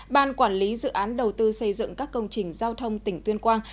ban quản lý dự án đầu tư xây dựng các công trình giao thông tỉnh tuyên quang